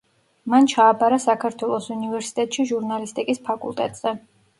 მან ჩააბარა საქართველოს უნივერსიტეტში ჟურნალისტიკის ფაკულტეტზე.